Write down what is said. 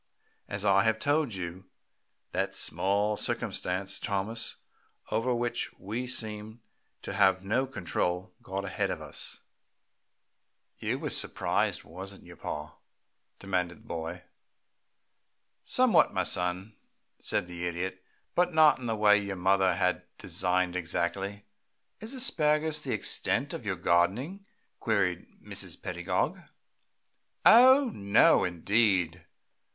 As I have told you, that small circumstance Thomas, over which we seem to have no control, got ahead of us " "You was surprised, wasn't you, pa?" demanded the boy. "Somewhat, my son," said the Idiot, "but not in the way your mother had designed, exactly." "Is asparagus the extent of your gardening?" queried Mrs. Pedagog. "Oh no, indeed!"